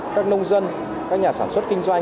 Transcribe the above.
các nông dân các nhà sản xuất kinh doanh